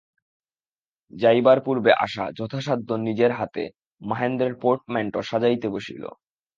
যাইবার পূর্বে আশা যথাসাধ্য নিজের হাতে মহেন্দ্রের পোর্টম্যাণ্টো সাজাইতে বসিল।